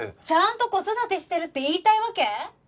ちゃんと子育てしてるって言いたいわけ？